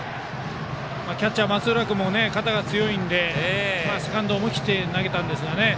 キャッチャー松浦君も肩が強いのでセカンド、思い切って投げたんですが。